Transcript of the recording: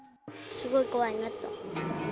すごい怖いなと。